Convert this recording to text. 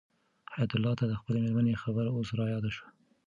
حیات الله ته د خپلې مېرمنې خبره اوس رایاده شوه.